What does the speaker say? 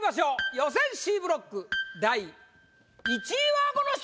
予選Ｃブロック第１位はこの人！